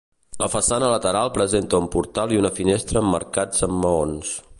La façana lateral presenta un portal i una finestra emmarcats en maons.